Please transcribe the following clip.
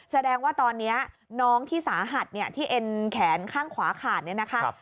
แสดงว่าตอนนี้น้องที่สาหัสที่เอ็นแขนข้างขวาขาดเนี่ยนะคะ